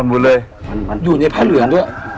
อ่อนหมดเลยอยู่ในพระเหลืองด้วย